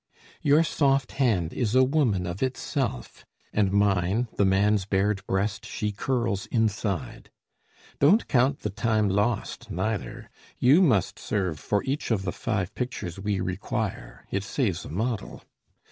Your soft hand is a woman of itself, And mine, the man's bared breast she curls inside. Don't count the time lost, neither: you must serve For each of the five pictures we require; It saves a model.